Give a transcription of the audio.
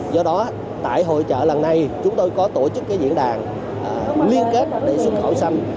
do đó tại hội trợ lần này chúng tôi có tổ chức diễn đàn liên kết để xuất khẩu xanh